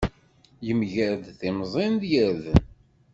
Yemger-d timẓin d yirden.